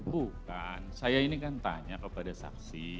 bukan saya ini kan tanya kepada saksi